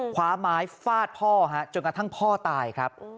คว้าไม้ฟาดพ่อจนกระทั่งพ่อตายครับ